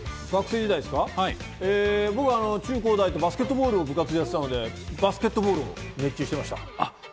僕は中・高・大とバスケットボールを部活でやっていたので、バスケットボールに熱中していました。